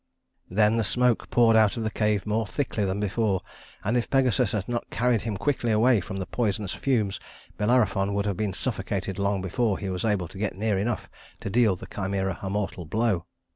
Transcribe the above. Then the smoke poured out of the cave more thickly than before; and if Pegasus had not carried him quickly away from the poisonous fumes, Bellerophon would have been suffocated long before he was able to get near enough to deal the Chimæra a mortal blow.